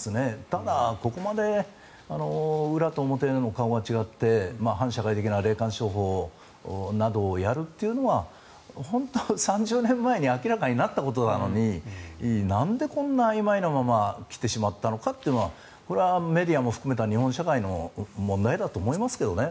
ただここまで裏と表の顔が違って反社会的な霊感商法などをやるというのは３０年前に明らかになったことなのになんでこんなにあいまいなまま来てしまったのかというのはこれはメディアも含めた日本社会の問題だと思いますけどね。